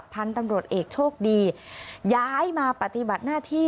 พันธุ์ตำรวจเอกโชคดีย้ายมาปฏิบัติหน้าที่